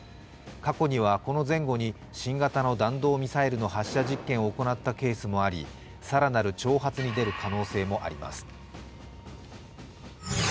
過去にはこの前後に新型の弾道ミサイルの発射実験を行ったケースもありさらなる挑発に出る可能性もあります。